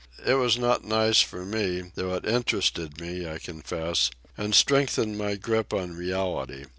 It was not nice for me, though it interested me, I confess,—and strengthened my grip on reality.